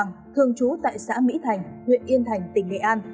nguyễn thị hà thường trú tại xã mỹ thành huyện yên thành tỉnh nghệ an